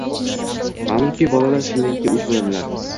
Ma’lumki, bolalar shirinlikka o‘ch bo‘ladilar.